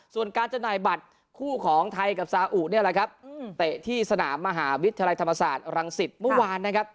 ส่วนการจำหน่ายบัตรคู่ของไทยกับซาอุเนี่ยแหละครับเตะที่สนามมหาวิทยาลัยธรรมศาสตร์รังสิตเมื่อวานนะครับ